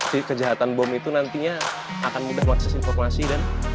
kejahatan bom itu nantinya akan mudah mengakses informasi dan